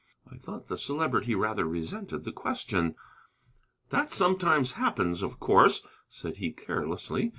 I thought the Celebrity rather resented the question. "That sometimes happens, of course," said he, carelessly.